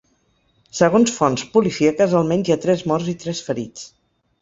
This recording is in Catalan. Segons fonts policíaques, almenys hi ha tres morts i tres ferits.